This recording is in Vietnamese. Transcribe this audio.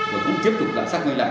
và cũng tiếp tục xác minh lại